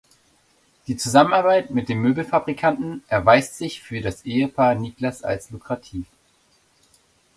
Die Zusammenarbeit mit dem Möbelfabrikanten erweist sich für das Ehepaar Niklas als lukrativ.